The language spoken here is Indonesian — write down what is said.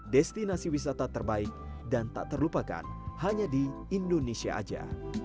destinasi wisata terbaik dan tak terlupakan hanya di indonesia saja